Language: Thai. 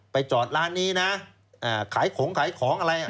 ไปจอดร้านนี้นะขายของอะไร